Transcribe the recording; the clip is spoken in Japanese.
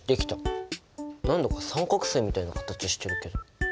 何だか三角すいみたいな形してるけど。